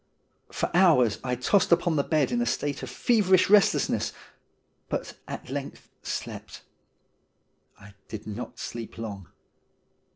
For hours I tossed upon the bed in a state of feverish restlessness, but at length slept. I did not sleep long.